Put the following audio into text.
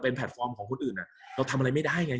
กับการสตรีมเมอร์หรือการทำอะไรอย่างเงี้ย